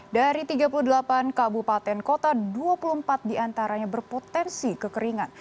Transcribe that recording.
dari tiga puluh delapan kabupaten kota dua puluh empat diantaranya berpotensi kekeringan